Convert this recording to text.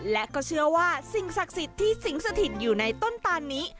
และก็เชื่อว่าสิ่งศักดิ์สิทธิ์ที่สิงสถิตอยู่ในต้นตานนี้